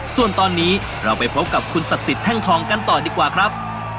ส่วนตอนนี้เราไปพบกับคุณศักดิ์สิทธิแท่งทองกันต่อดีกว่าครับ